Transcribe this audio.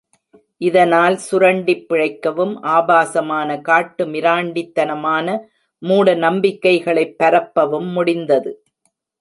இதனால் சுரண்டிப் பிழைக்கவும், ஆபாசமான காட்டுமிராண்டித்தனமான மூட நம்பிக்கைகளைப் பரப்பவும் முடிந்தது.